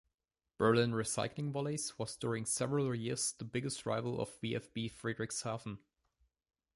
Berlin Recycling Volleys was during several years the biggest rival of VfB Friedrichshafen.